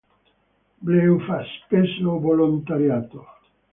Bleu fa spesso volontariato.